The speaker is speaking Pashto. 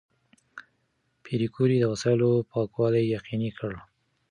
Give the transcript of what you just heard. پېیر کوري د وسایلو پاکوالي یقیني کړ.